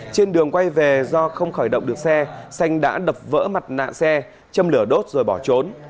trên đường quay về do không khởi động được xe xanh đã đập vỡ mặt nạ xe châm lửa đốt rồi bỏ trốn